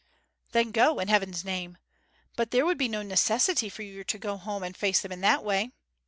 'Then go, in Heaven's name! But there would be no necessity for you to go home and face them in that way.